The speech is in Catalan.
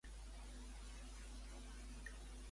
Quin és l'element essencial a Interiores?